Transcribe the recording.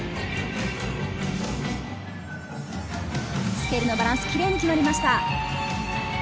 スケールのバランス、キレイに決まりました。